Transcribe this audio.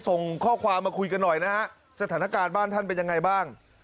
ส่งข้อความมาคุยกันหน่อยนะฮะสถานการณ์บ้านท่านเป็นยังไงบ้าง